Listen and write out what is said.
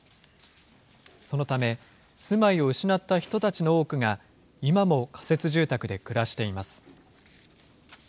そのため、住まいを失った人たちの多くが、今も仮設住宅で暮らしています。